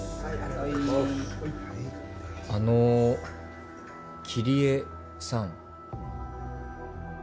あの桐江さん。